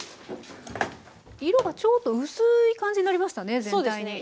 色がちょっと薄い感じになりましたね全体に。